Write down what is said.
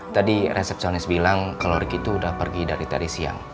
tadi resepsionis bilang kalau riki itu udah pergi dari tadi siang